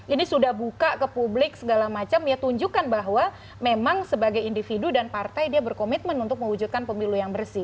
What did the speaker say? ini sudah buka ke publik segala macam ya tunjukkan bahwa memang sebagai individu dan partai dia berkomitmen untuk mewujudkan pemilu yang bersih